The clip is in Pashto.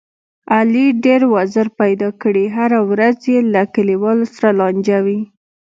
علي ډېر وزر پیدا کړي، هره ورځ یې له کلیوالو سره لانجه وي.